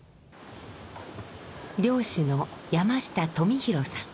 漁師の山下富浩さん。